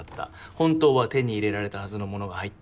本当は手に入れられたはずのものが入った箱。